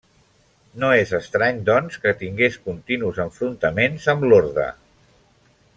No és estrany, doncs, que tingués continus enfrontaments amb l'orde.